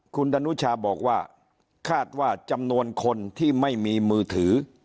คุณดนุชาบอกว่าคาดว่าจำนวนคนที่ไม่มีมือถือ